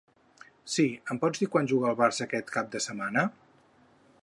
Sí, em pots dir quan juga el Barça quest cap de setmana?